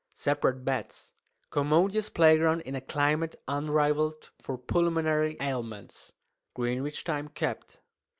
Separate beds. Commodious playground in a climate unrivalled for pulmonary ailments. Greenwich time kept."